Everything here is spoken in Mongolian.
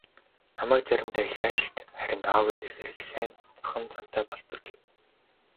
"Намайг заримдаа их аашилдаг, харин аавыг ирэхээр их сайхан зантай болдог" гэв.